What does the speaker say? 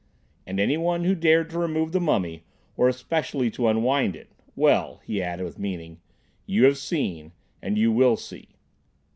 And any one who dared to remove the mummy, or especially to unwind it—well," he added, with meaning, "you have seen—and you will see."